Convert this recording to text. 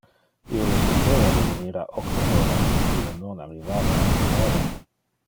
Io le peteva de venir a octo horas, ma ille non arrivava ante novem.